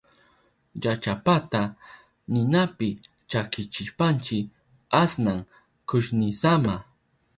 Llachapata ninapi chakichishpanchi asnan kushnisama.